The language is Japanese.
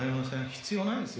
必要ないです。